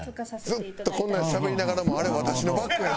ずっとこんなんしゃべりながらも「あれ私のバッグやんな」。